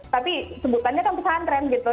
tapi sebutannya kan pesantren gitu